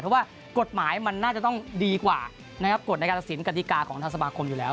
เพราะว่ากฎหมายมันน่าจะต้องดีกว่านะครับกฎในการตัดสินกฎิกาของทางสมาคมอยู่แล้ว